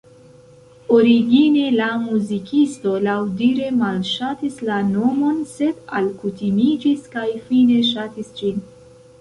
Origine la muzikisto laŭdire malŝatis la nomon, sed alkutimiĝis kaj fine ŝatis ĝin.